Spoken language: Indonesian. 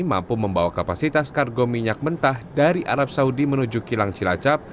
mampu membawa kapasitas kargo minyak mentah dari arab saudi menuju kilang cilacap